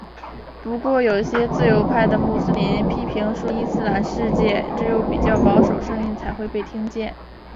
不过有些自由派的穆斯林批评说在伊斯兰世界只有比较保守声音才会被听见。